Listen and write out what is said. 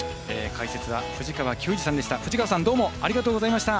解説は藤川球児さんでした。